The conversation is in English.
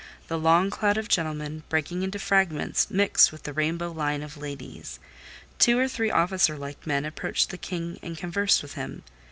The long cloud of gentlemen, breaking into fragments, mixed with the rainbow line of ladies; two or three officer like men approached the King and conversed with him.